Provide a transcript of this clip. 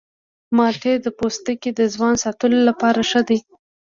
مالټې د پوستکي د ځوان ساتلو لپاره ښه دي.